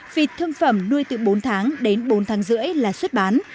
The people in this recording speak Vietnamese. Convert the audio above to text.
vịt thương phẩm nuôi từ bốn tháng đến bốn tháng rưỡi là xuất bán